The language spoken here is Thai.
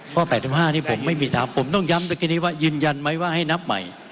๘๕นี่ผมไม่มีทางผมต้องย้ำเมื่อกี้นี้ว่ายืนยันไหมว่าให้นับใหม่